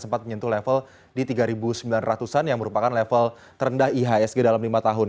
sempat menyentuh level di tiga sembilan ratus an yang merupakan level terendah ihsg dalam lima tahun